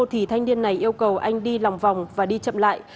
thì thanh niên này yêu cầu anh đi lòng vòng và đi chậm lại